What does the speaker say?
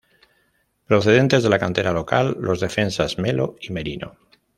Procedentes de la cantera local, los defensas Melo y Merino.